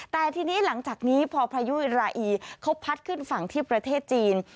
แต่ทีนี้หลังจากนี้พอพายุราอีเขาพัดขึ้นฝั่งที่ประเทศจีน